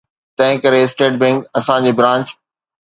تنهنڪري state bank اسان جي برانچ